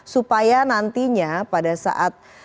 supaya nantinya pada saat